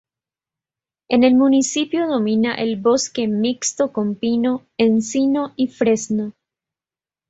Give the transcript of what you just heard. En el municipio domina el bosque mixto con pino, encino y fresno.